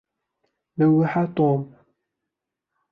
لَوَحَ توم.